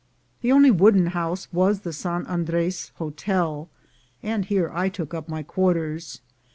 The only wooden house was the San Andres Hotel, and here I took up my quarters.